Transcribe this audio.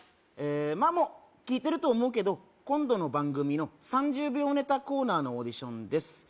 もう聞いてると思うけど今度の番組の３０秒ネタコーナーのオーディションです